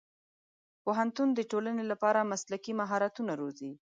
پوهنتون د ټولنې لپاره مسلکي مهارتونه روزي.